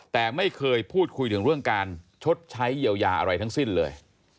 แต่ไม่เคยพูดคุยถึงเรื่องการชดใช้เยียวยาอะไรทั้งสิ้นเลย